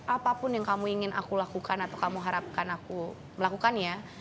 apapun yang kamu ingin aku lakukan atau kamu harapkan aku melakukannya